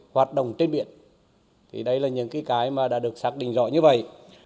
hoạt động trên biển thì đây là những cái mà đã được xác định rõ như vậy